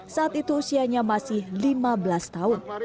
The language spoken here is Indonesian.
saat itu usianya masih lima belas tahun